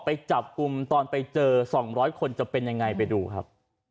ไปจับกุมตอนไปเจอสองร้อยคนจะเป็นยังไงไปดูครับ